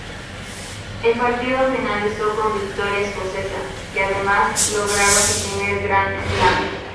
El partido finalizó con victoria escocesa, que además lograron su primer Grand Slam.